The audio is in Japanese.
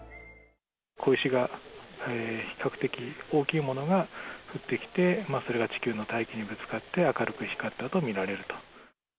小石が、比較的大きいものが降ってきて、それが地球の大気にぶつかって明るく光ったと見られると。